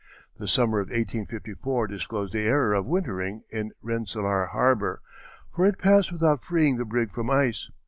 The summer of 1854 disclosed the error of wintering in Rensselaer Harbor, for it passed without freeing the brig from ice.